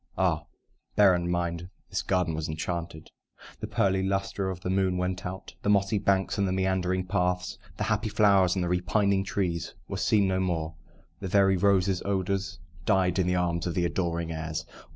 (Ah, bear in mind this garden was enchanted!) The pearly lustre of the moon went out: The mossy banks and the meandering paths, The happy flowers and the repining trees, Were seen no more: the very roses' odours Died in the arms of the adoring airs.